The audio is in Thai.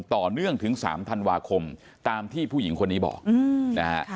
ต่อเนื่องถึง๓ธันวาคมตามที่ผู้หญิงคนนี้บอกนะฮะ